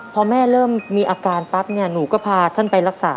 พอแม่เริ่มมีอาการปั๊บเนี่ยหนูก็พาท่านไปรักษา